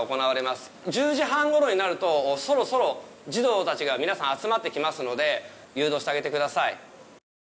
１０時半ごろになるとそろそろ児童たちが皆さん集まってきますので誘導してあげてください。